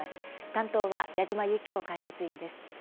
担当は矢島ゆき子解説委員です。